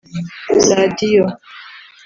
Radiyo